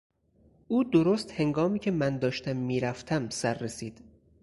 او درست هنگامی که من داشتم میرفتم سررسید.